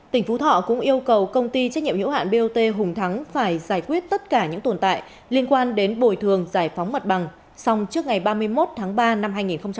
tỉnh phú thọ cũng yêu cầu công ty trách nhiệm hữu hạn bot hùng thắng phải giải quyết tất cả những tồn tại liên quan đến bồi thường giải phóng mật bằng song trước ngày ba mươi một tháng ba năm hai nghìn một mươi bảy